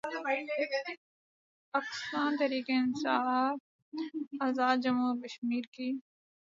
اکستان تحریک انصاف آزادجموں وکشمیر کی